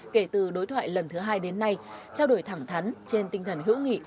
kể từ đối thoại lần thứ hai đến nay trao đổi thẳng thắn trên tinh thần hữu nghị